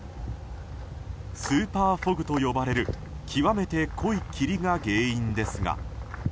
スーパーフォグと呼ばれる極めて濃い霧が原因ですが。